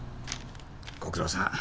ご苦労さん。